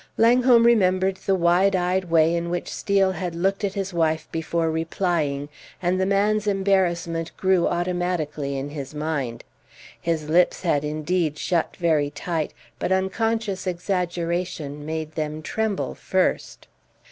Langholm remembered the wide eyed way in which Steel had looked at his wife before replying, and the man's embarrassment grew automatically in his mind. His lips had indeed shut very tight, but unconscious exaggeration made them tremble first.